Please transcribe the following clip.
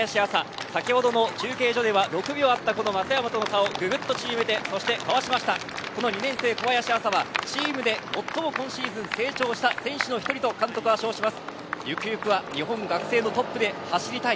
先ほどの中継所では６秒あった松山との差を縮めてかわしました２年生、小林朝はチームで最も今シーズン成長した選手の１人だと監督が称します。